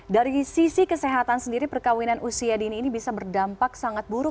dari sisi kesehatan sendiri perkawinan usia dini ini bisa berdampak sangat buruk